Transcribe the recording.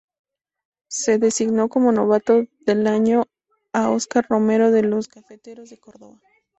Se designó como novato del año a Oscar Romero de los Cafeteros de Córdoba.